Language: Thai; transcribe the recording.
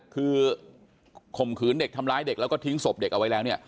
คือข่มขืนเด็กทำร้ายเด็กแล้วก็ทิ้งศพเด็กเอาไว้แล้วเนี่ย